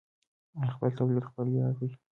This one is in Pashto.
آیا خپل تولید خپل ویاړ دی؟